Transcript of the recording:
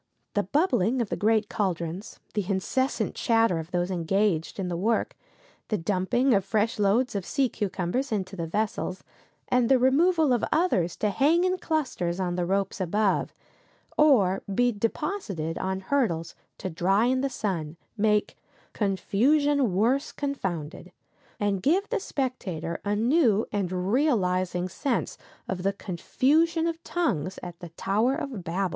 The bubbling of the great caldrons, the incessant chatter of those engaged in the work, the dumping of fresh loads of sea cucumbers into the vessels, and the removal of others to hang in clusters on the ropes above, or be deposited on hurdles to dry in the sun, make "confusion worse confounded," and give the spectator a new and realizing sense of the confusion of tongues at the Tower of Babel.